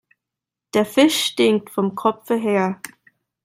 Der Fisch stinkt vom Kopfe her.